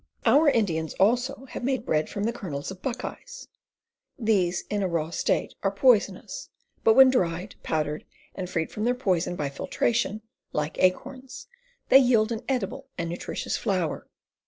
Our Indians also have made bread from the kernels of buckeyes. These, in a raw state, are poisonous, but when dried, powdered, and freed from their poison by filtration, like acorns, they yield an edible and nutritious flour.